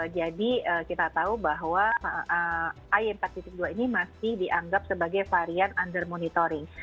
jadi kita tahu bahwa ai empat dua ini masih dianggap sebagai varian under monitoring